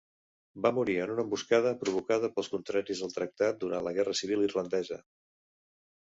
Va morir en una emboscada provocada pels contraris al tractat durant la guerra civil irlandesa.